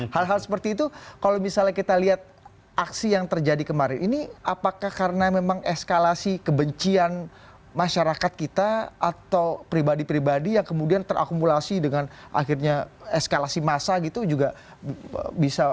hal hal seperti itu kalau misalnya kita lihat aksi yang terjadi kemarin ini apakah karena memang eskalasi kebencian masyarakat kita atau pribadi pribadi yang kemudian terakumulasi dengan akhirnya eskalasi massa gitu juga bisa